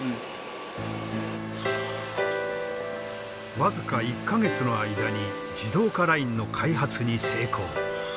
僅か１か月の間に自動化ラインの開発に成功。